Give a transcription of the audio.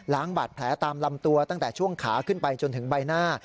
บาดแผลตามลำตัวตั้งแต่ช่วงขาขึ้นไปจนถึงใบหน้า